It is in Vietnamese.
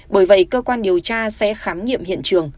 bởi vậy cơ quan điều tra sẽ khám nghiệm hiện trường